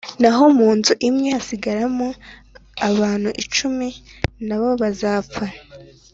Naho mu nzu imwe hasigaramo abantu icumi, na bo bazapfa.